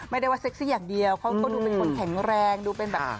ไม่ได้ว่าเซ็กซี่อย่างเดียวเขาก็ดูเป็นคนแข็งแรงดูเป็นแบบ